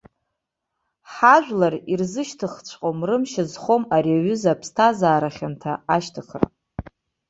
Ҳажәлар ирзышьҭыхҵәҟьом, рымч азхом ари аҩыза аԥсҭазаара хьанҭа ашьҭыхра.